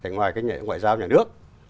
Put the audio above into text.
ngoài cái ngoại giao nhà nước